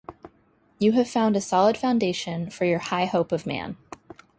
You have found a solid foundation for your high hope of man.